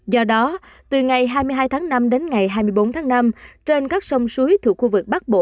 do đó từ ngày hai mươi hai tháng năm đến ngày hai mươi bốn tháng năm trên các sông suối thuộc khu vực bắc bộ